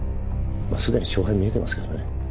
まあすでに勝敗は見えてますけどね。